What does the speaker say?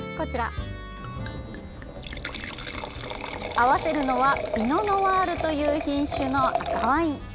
合わせるのはピノ・ノワールという品種の赤ワイン。